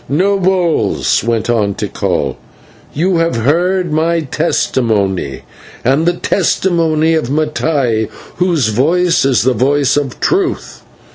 "Nobles," went on Tikal, "you have heard my testimony and the testimony of Mattai, whose voice is the voice of truth.